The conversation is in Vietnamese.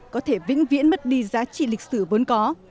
có thể vĩnh viễn mất đi giá trị lịch sử vốn có